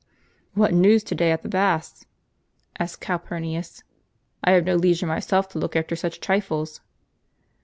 " What news to day at the baths ?" asked Calpm nius; "I have no leisure myself to look after such trifles."